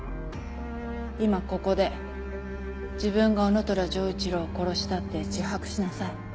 今ここで自分が男虎丈一郎を殺したって自白しなさい